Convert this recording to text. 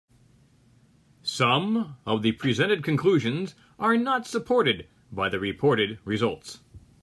Some of the presented conclusions are not supported by the reported results.